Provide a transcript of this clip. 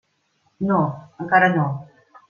No, encara no.